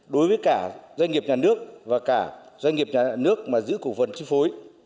đối với cả doanh nghiệp nhà nước và cả doanh nghiệp nhà nước mà giữ cổ phần chi phối